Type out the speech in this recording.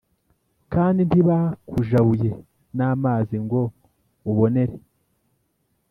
kandi ntibakujabuye n’amazi ngo ubonere